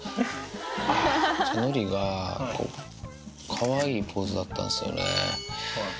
のりが、かわいいポーズだったんですよね。